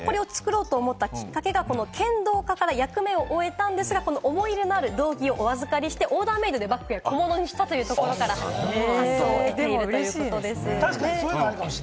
そもそもこれを作ろうと思ったきっかけが剣道家から役目を終えたんですが、思い入れのある胴着をお預かりしてオーダーメイドで小物にしたというところから始まったそうです。